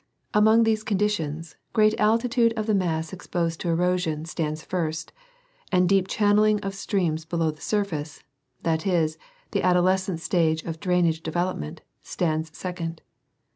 Among these conditions, great altitude of the mass exposed to erosion stands first, and deep channeling of streams below the surface — that is, the adolescent stage of drainage development — stands second.